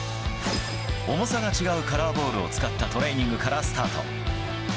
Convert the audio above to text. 重さが違うカラーボールを使ったトレーニングからスタート。